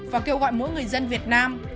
và kêu gọi mỗi người dân việt nam